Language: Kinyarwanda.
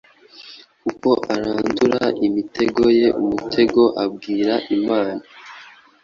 kuko arandura imitego ye Umutego abwira imana